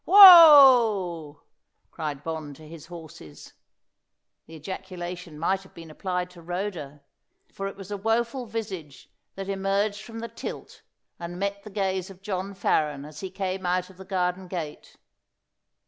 "Wo!" cried Bond to his horses. The ejaculation might have been applied to Rhoda; for it was a woful visage that emerged from the tilt and met the gaze of John Farren as he came out of the garden gate.